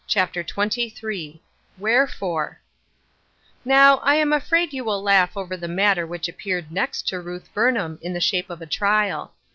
CHAPTER XXIIL WHEEEFOEB ( OW, I am afraid you will laugh over the matter which appeared next to Ruth Burnham in the shape of a trial.